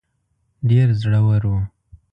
ډېر زړه ور وو.